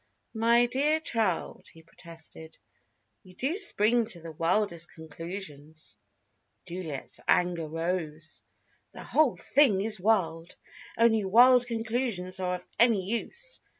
"My dear child," he protested. "You do spring to the wildest conclusions!" Juliet's anger rose. "The whole thing is wild. Only wild conclusions are of any use.